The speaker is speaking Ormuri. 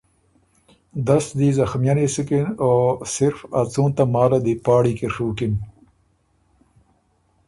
دس دی زخمئنی سُکِن او صرف ا څُون تماله دی پاړی کی ڒُوکِن